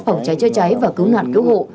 phòng cháy cháy cháy và cứu nạn cứu hộ